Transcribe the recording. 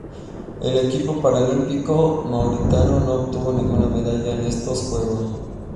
El equipo paralímpico mauritano no obtuvo ninguna medalla en estos Juegos.